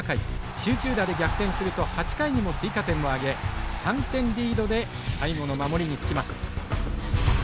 集中打で逆転すると８回にも追加点を挙げ３点リードで最後の守りにつきます。